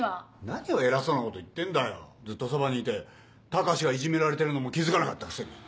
何を偉そうなこと言ってんだよずっとそばにいて高志がいじめられてるのも気付かなかったくせに。